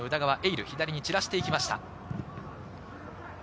琉、左に散らしていきました。